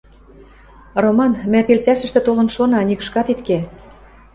— Роман, мӓ пел цӓшӹштӹ толын шона, нигышкат ит ке.